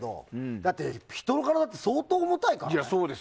だって、人の体って相当重たいからね。